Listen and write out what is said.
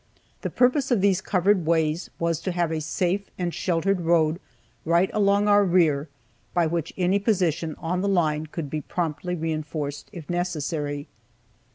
The purpose of these covered ways was to have a safe and sheltered road right along our rear by which any position on the line could be promptly reinforced, if necessary.